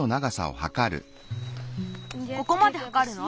ここまではかるの？